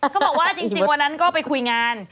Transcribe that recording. เขาบอกว่าจริงวันนั้นก็ไปคุยงาน